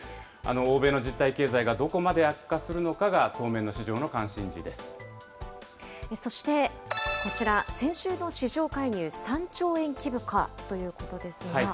欧米の実体経済がどこまで悪化すそしてこちら、先週の市場介入、３兆円規模かということですが。